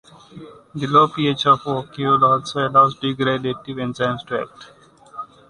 The low pH of the vacuole also allows degradative enzymes to act.